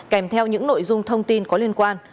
kèm theo những nội dung thông tin có liên quan